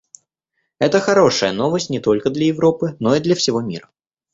Это хорошая новость не только для Европы, но и для всего мира.